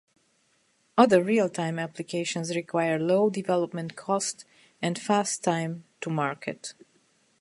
Other real-time applications require low development cost and fast time to market.